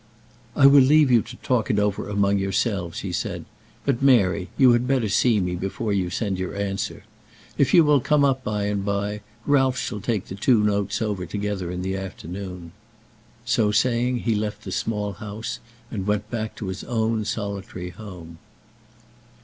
"I will leave you to talk it over among yourselves," he said. "But, Mary, you had better see me before you send your answer. If you will come up by and by, Ralph shall take the two notes over together in the afternoon." So saying, he left the Small House, and went back to his own solitary home.